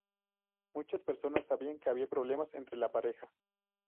Muchas personas sabían que había problemas entre la pareja.".